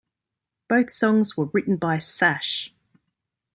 Both songs were written by Sash!